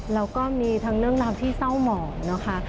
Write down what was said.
แล้วก็มีทั้งเรื่องราวที่เศร้าหมอกนะคะ